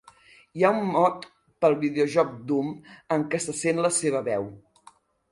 Hi ha un mod per al videojoc "Doom" en què se sent la seva veu.